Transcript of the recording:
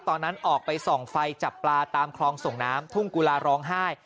ตอนนั้นออกไปส่องไฟจับปลาตามคลองส่งน้ำทุ่งกุลาร้องไห้